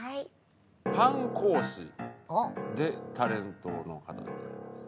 パン講師でタレントの方でございます。